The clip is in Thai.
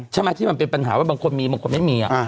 ใช่ไหมที่มันเป็นปัญหาว่าบางคนมีบางคนไม่มี